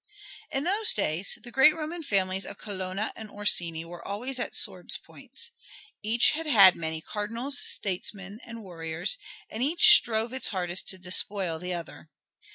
In those days the great Roman families of Colonna and Orsini were always at swords' points. Each had had many cardinals, statesmen, and warriors, and each strove its hardest to despoil the other.